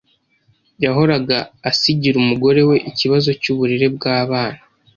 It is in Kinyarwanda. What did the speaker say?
Yahoraga asigira umugore we ikibazo cyuburere bwabana